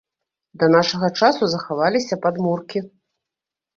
Да нашага часу захаваліся падмуркі.